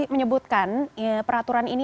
menyebutkan peraturan ini